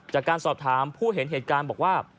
จากการสอบถามผู้เห็นเหตุการณ์บอกว่า